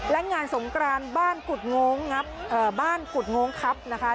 และงานสงกราณบ้านกุฎง้องครับนะคะ